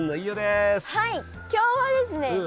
今日はですね